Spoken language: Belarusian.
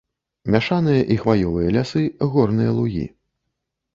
Мяшаныя і хваёвыя лясы, горныя лугі.